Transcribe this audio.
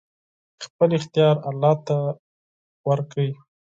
خپل اختيار الله ته ورکړئ!